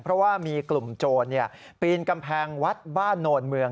เพราะว่ามีกลุ่มโจรปีนกำแพงวัดบ้านโนนเมือง